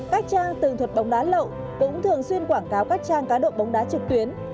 các trang từ thuật bóng đá lậu cũng thường xuyên quảng cáo các trang cá độ bóng đá trực tuyến